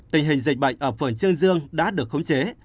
tình hình dịch bệnh ở phường trơn dương đã được khống chế